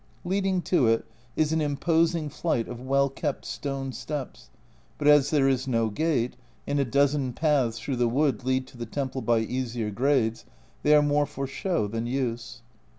Leading to it is an imposing flight of well kept stone steps, but as there is no gate, and a dozen paths through the wood lead to the temple by easier grades, they are more for show than use.